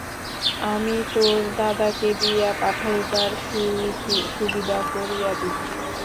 আমি তোর দাদাকে দিয়া পাঠাইবার সুবিধা করিয়া দিব।